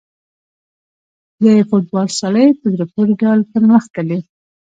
د فوټبال سیالۍ په زړه پورې ډول پرمخ تللې.